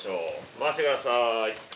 回してください。